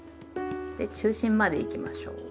で中心までいきましょう。